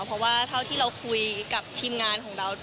เพราะว่าเท่าที่เราคุยกับทีมงานของเรา